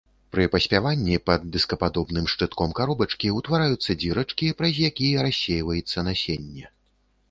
Пры паспяванні пад дыскападобным шчытком каробачкі ўтвараюцца дзірачкі, праз якія рассейваецца насенне.